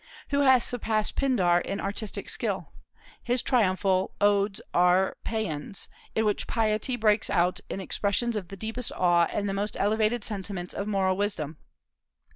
Who has surpassed Pindar in artistic skill? His triumphal odes are paeans, in which piety breaks out in expressions of the deepest awe and the most elevated sentiments of moral wisdom.